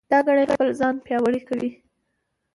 دا کړۍ خپله ځان پیاوړې کوي.